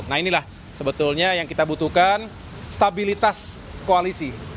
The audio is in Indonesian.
nah inilah sebetulnya yang kita butuhkan stabilitas koalisi